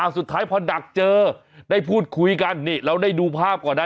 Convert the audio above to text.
สุดท้ายพอดักเจอได้พูดคุยกันนี่เราได้ดูภาพก่อนนะ